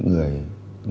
những người dân